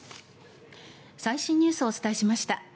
最新ニュースをお伝えしました。